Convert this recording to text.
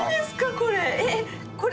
これ。